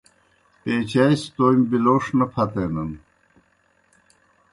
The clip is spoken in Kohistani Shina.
پیچائے سہ تومیْ بِلَوݜ نہ پھتینَن۔